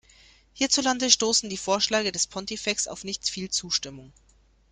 Hierzulande stoßen die Vorschläge des Pontifex auf nicht viel Zustimmung.